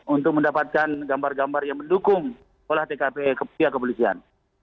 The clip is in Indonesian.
untuk mendapatkan gambar gambar yang mendukung olah tkp pihak kepolisian